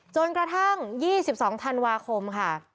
จนกระทั่ง๒๒ธันวาคมค่ะ